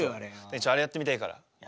ちょっとあれやってみたいから。